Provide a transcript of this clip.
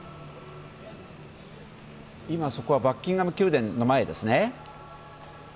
今、そこはバッキンガム宮殿の前ですね。